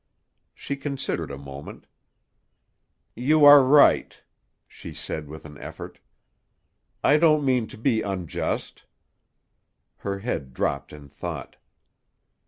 She considered a moment. "You are right," she said with an effort. "I don't mean to be unjust." Her head dropped in thought.